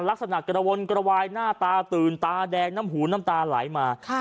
ลักษณะกระวนกระวายหน้าตาตื่นตาแดงน้ำหูน้ำตาไหลมา